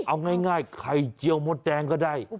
เอาง่ายไข่เจียวมดแดงก็ได้